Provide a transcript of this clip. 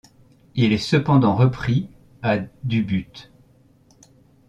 Il est cependant repris à du but.